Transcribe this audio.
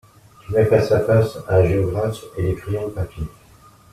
Tu mets face à face un géographe et des crayons de papier!